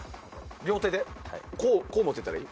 両手でこう持ってたらいい？